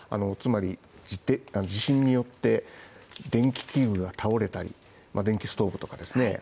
つまりして地震によって電気器具が倒れたり電気ストーブとかですね